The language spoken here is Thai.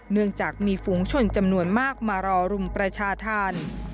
เนื่องจากมีฝูงชนจำนวนมากมารอรุมประชาธรรม